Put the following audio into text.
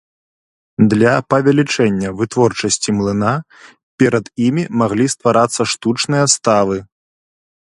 Для павялічэння вытворчасці млына перад імі маглі стварацца штучныя ставы.